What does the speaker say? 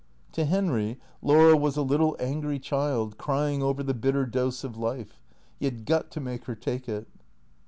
To Henry Laura was a little angry child, crying over the bitter dose of life. He had got to make her take it.